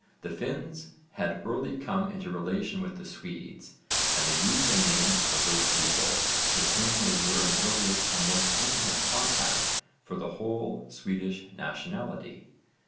The Finns had early come into relation with the Swedes and they used the name of those people with whom they were in earliest and most intimate contact for the whole Swedish nationality.